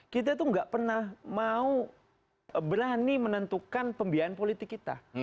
kita tuh gak pernah mau berani menentukan pembiayaan politik kita